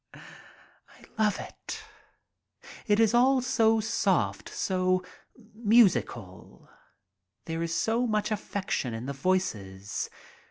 I love it. • It is all so soft, so musical; there is so much affection in the voices.